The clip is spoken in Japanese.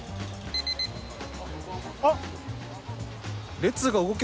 あっ！